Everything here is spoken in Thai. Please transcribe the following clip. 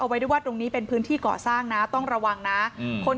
ไว้ด้วยว่าตรงนี้เป็นพื้นที่ก่อสร้างนะต้องระวังนะคน